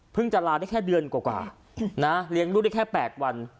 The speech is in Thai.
จะลาได้แค่เดือนกว่านะเลี้ยงลูกได้แค่๘วัน